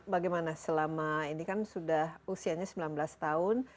bagaimana selama ini kan sudah usianya sembilan belas tahun